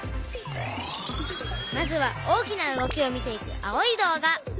まずは大きな動きを見ていく青い動画。